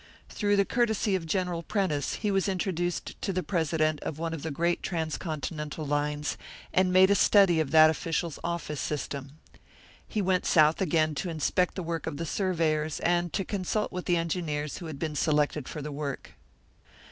Through the courtesy of General Prentice, he was introduced to the president of one of the great transcontinental lines, and made a study of that official's office system. He went South again to inspect the work of the surveyors, and to consult with the engineers who had been selected for the work.